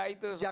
ya itu soalnya